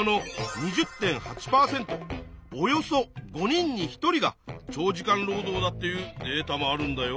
およそ５人に１人が長時間労働だっていうデータもあるんだよ。